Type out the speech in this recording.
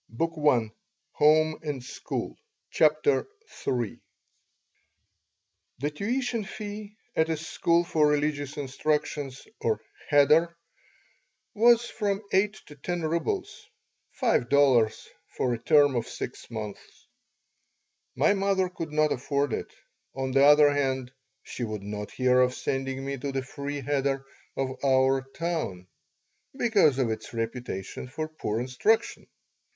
And she flushed with happiness CHAPTER III THE tuition fee at a school for religious instruction or cheder was from eight to ten rubles (five dollars) for a term of six months. My mother could not afford it. On the other hand, she would not hear of sending me to the free cheder of our town, because of its reputation for poor instruction.